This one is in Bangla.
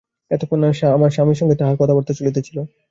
এতক্ষণ আমার স্বামীর সঙ্গে তাঁহার কথাবার্তা চলিতেছিল।